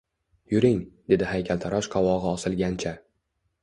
Yuring, – dedi haykaltarosh qovogʻi osilgancha.